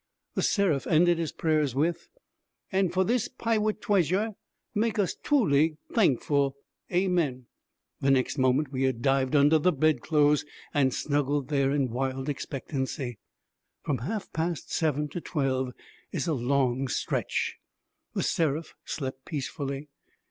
The Seraph ended his prayers with 'And for this piwate tweasure make us twuly thankful. Amen.' The next moment we had dived under the bedclothes and snuggled there in wild expectancy. From half past seven to twelve is a long stretch. The Seraph slept peacefully.